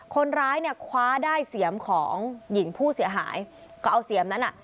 คนร้ายเนี่ยคว้าได้เสียมของหญิงผู้เสียหายก็เอาเสียมนั้นอ่ะ